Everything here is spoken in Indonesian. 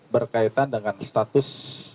berkaitan dengan status